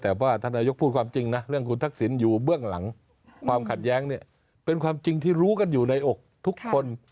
แต่ว่าท่านนายกพูดความจริงนะเรื่องคุณทักษิณอยู่เบื้องหลังความขัดแย้งเนี่ยเป็นความจริงที่รู้กันอยู่ในอกทุกคน